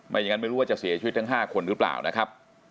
อย่างนั้นไม่รู้ว่าจะเสียชีวิตทั้ง๕คนหรือเปล่านะครับ